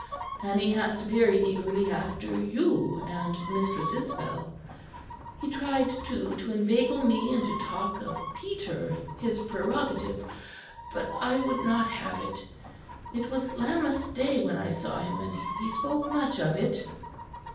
And he asked very eagerly after you and Mistress Isabel. He tried, too, to inveigle me into talk of Peter his prerogative, but I would not have it. It was Lammas Day when I saw him, and he spoke much of it."